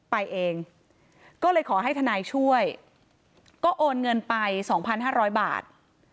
ไปเองก็เลยขอให้ทนายช่วยก็โอนเงินไปสองพันห้าร้อยบาท